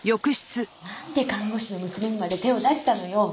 なんで看護師の娘にまで手を出したのよ！